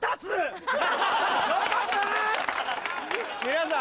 皆さん。